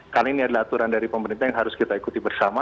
kali ini adalah aturan dari pemerintah yang harus kita ikuti bersama